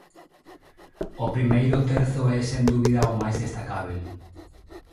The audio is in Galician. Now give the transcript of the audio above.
O primeiro terzo é sen dúbida o máis destacábel.